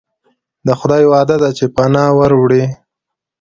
د خدای وعده ده چې پناه وروړي.